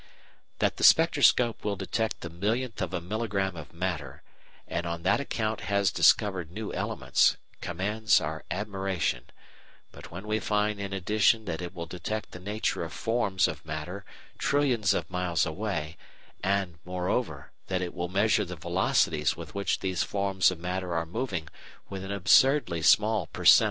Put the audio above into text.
"That the spectroscope will detect the millionth of a milligram of matter, and on that account has discovered new elements, commands our admiration; but when we find in addition that it will detect the nature of forms of matter trillions of miles away, and moreover, that it will measure the velocities with which these forms of matter are moving with an absurdly small per cent.